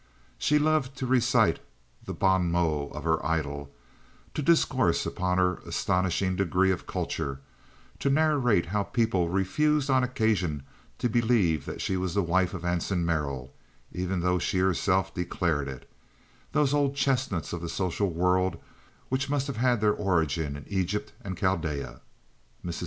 She loved to recite the bon mots of her idol, to discourse upon her astonishing degree of culture, to narrate how people refused on occasion to believe that she was the wife of Anson Merrill, even though she herself declared it—those old chestnuts of the social world which must have had their origin in Egypt and Chaldea. Mrs.